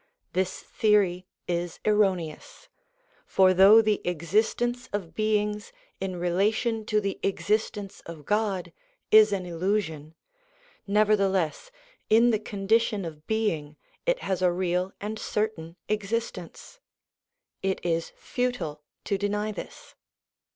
This theory is erroneous; for though the existence of beings in relation to the existence of God is an illusion, nevertheless in the condition of being it has a real and certain existence. It is futile to deny this.